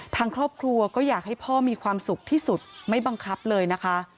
ทางครอบครัวก็อยากให้พ่อมีความสุขที่สุดไม่บังคับเลยนะคะ